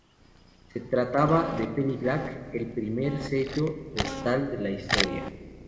Se trataba del Penny Black, el primer sello postal de la historia.